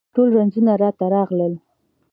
ټول رنځونه راته راغلل